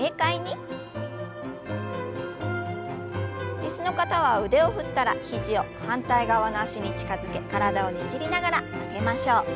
椅子の方は腕を振ったら肘を反対側の脚に近づけ体をねじりながら曲げましょう。